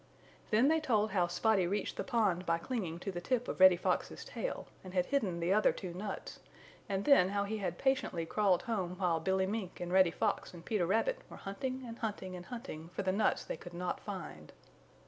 Then they told how Spotty reached the pond by clinging to the tip of Reddy Fox's tail, and had hidden the other two nuts, and then how he had patiently crawled home while Billy Mink and Reddy Fox and Peter Rabbit were hunting and hunting and hunting for the nuts they could not find.